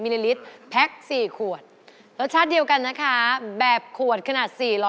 รสชาติเดียวกันนะคะ